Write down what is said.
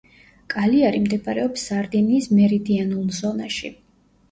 კალიარი მდებარეობს სარდინიის მერიდიანულ ზონაში.